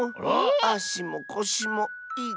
あしもこしもいたいし。